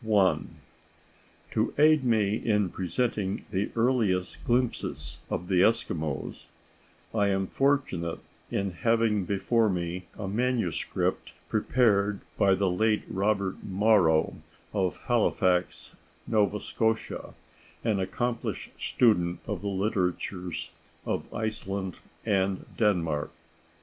*I.* To aid me in presenting the earliest glimpses of the Eskimos, I am fortunate in having before me a manuscript prepared by the late Robert Morrow of Halifax, Nova Scotia, an accomplished student of the literatures of Iceland and Denmark.